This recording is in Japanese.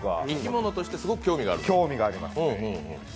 生き物としてすごく興味があります。